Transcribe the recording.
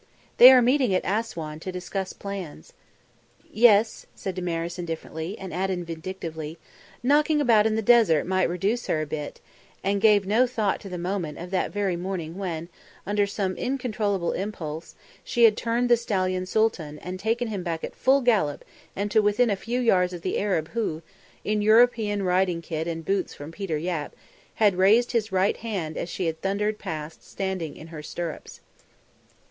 "They are meeting at Assouan to discuss plans ..." "Yes?" said Damaris indifferently, and added vindictively, "Knocking about in the desert might reduce her a bit," and gave no thought to the moment of that very morning when, under some uncontrollable impulse, she had turned the stallion Sooltan and taken him back at full gallop and to within a few yards of the Arab who, in European riding kit and boots from Peter Yapp, had raised his right hand as she had thundered past standing in her stirrups.